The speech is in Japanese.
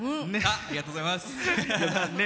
ありがとうございます。